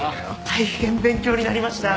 大変勉強になりました。